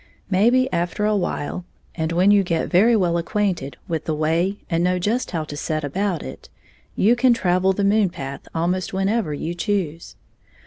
Maybe after a while, and when you get very well acquainted with the way and know just how to set about it, you can travel the moon path almost whenever you choose.